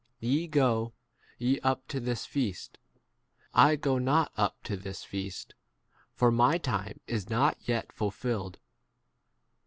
Ye, f go ye up to this feast. I * go not up m to this feast, for my time is not 3 yet fulfilled.